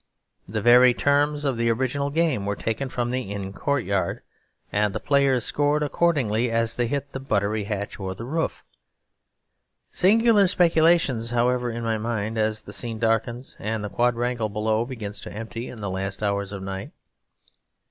The very terms of the original game were taken from the inn courtyard, and the players scored accordingly as they hit the buttery hatch or the roof. Singular speculations hover in my mind as the scene darkens and the quadrangle below begins to empty in the last hours of night.